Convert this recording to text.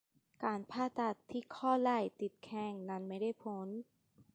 การผ่าตัดที่ข้อไหล่ติดแข็งนั้นไม่ได้ผล